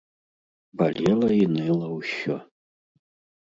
Балела і ныла ўсё.